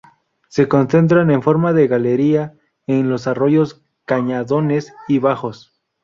Se concentran en forma de galería en los arroyos, cañadones y bajos.